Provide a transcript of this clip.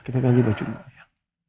kita bagi baju dulu ya